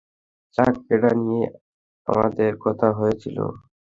চাক, এটা নিয়েই আমাদের কথা হয়েছিল।